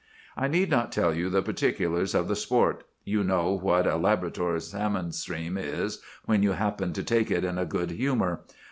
"I need not tell you the particulars of the sport. You know what a Labrador salmon stream is when you happen to take it in a good humor.